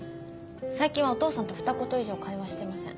最近はお父さんとふた言以上会話してません。